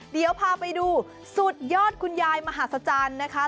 เดี๋ยวพาไปดูสุดยอดคุณยายมหาศจรรย์นะคะ